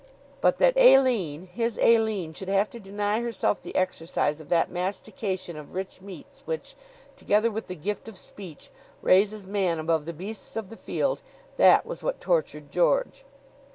But that Aline his Aline should have to deny herself the exercise of that mastication of rich meats which, together with the gift of speech, raises man above the beasts of the field That was what tortured George.